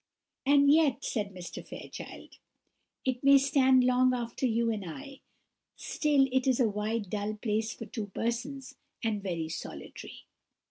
"And yet," said Mr. Fairchild, "it may stand long after you and I; still it is a wide, dull place for two persons, and very solitary."